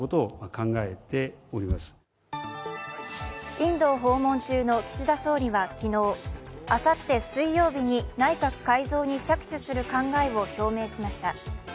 インドを訪問中の岸田総理は昨日、あさって水曜日に内閣改造に着手する考えを表明しました。